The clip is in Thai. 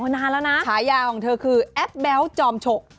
นานแล้วนะฉายาของเธอคือแอปแบ๊วจอมฉก